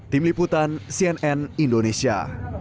tim liputan cnn indonesia